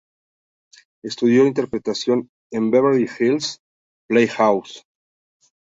Estudió interpretación en Beverly Hills Playhouse.